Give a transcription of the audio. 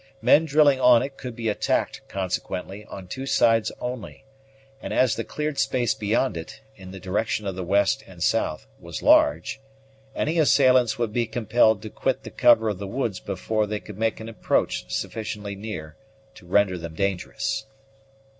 Men drilling on it could be attacked, consequently, on two sides only; and as the cleared space beyond it, in the direction of the west and south, was large, any assailants would be compelled to quit the cover of the woods before they could make an approach sufficiently near to render them dangerous.